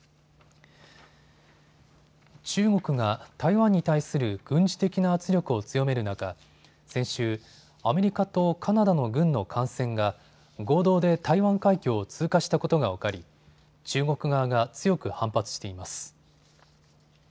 中国が台湾に対する軍事的な圧力を強める中、先週、アメリカとカナダの軍の艦船が合同で台湾海峡を通過したことが分かり中国側が強く反発しています。